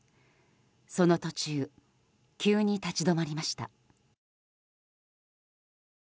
その途中急に立ち止まりました。